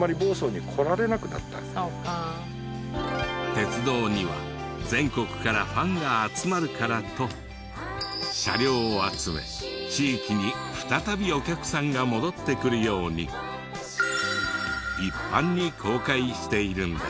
鉄道には全国からファンが集まるからと車両を集め地域に再びお客さんが戻ってくるように一般に公開しているんです。